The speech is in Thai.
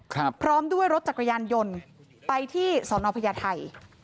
พร้อมด้วยรถจักรยานยนต์ไปที่สอนอพญาไทย